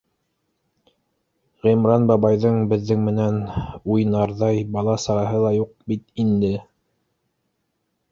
Ғимран бабайҙың беҙҙең менән уйнарҙай бала-сағаһы ла юҡ бит инде.